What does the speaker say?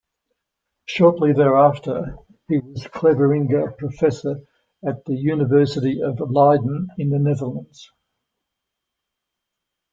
Shortly thereafter, he was Cleveringa Professor at the University of Leiden in the Netherlands.